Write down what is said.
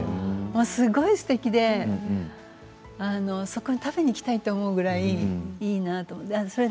すごいすてきでそこに食べに行きたいと思うぐらいいいなと思って。